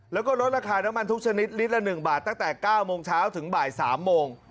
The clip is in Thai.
แล้วก็ลดราคาน้ำมันทุกชนิดลิตรละ๑บาทตั้งแต่๙โมงเช้าถึงบ่าย๓โมง